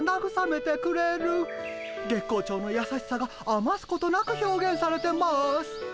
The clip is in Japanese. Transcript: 月光町のやさしさがあますことなく表現されてます。